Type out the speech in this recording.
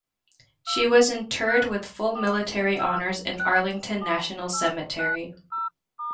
She was interred with full military honors in Arlington National Cemetery.